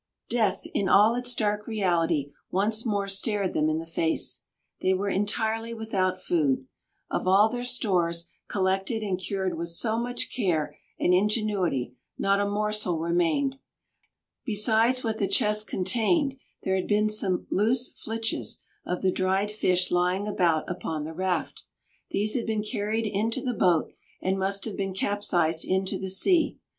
Death in all its dark reality once more stared them in the face. They were entirely without food. Of all their stores, collected and cured with so much care and ingenuity, not a morsel remained. Besides what the chest contained there had been some loose flitches of the dried fish lying about upon the raft. These had been carried into the boat, and must have been capsized into the sea.